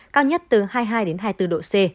cao nhất từ hai mươi hai đến hai mươi bốn độ c